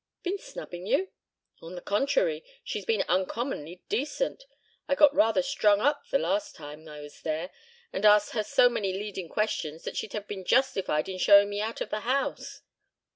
"Been snubbing you?" "On the contrary, she's been uncommonly decent. I got rather strung up the last time I was there and asked her so many leading questions that she'd have been justified in showing me out of the house."